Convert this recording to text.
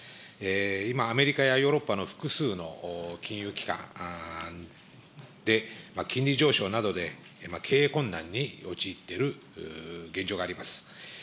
今、アメリカやヨーロッパの複数の金融機関で、金利上昇などで経営困難に陥っている現状があります。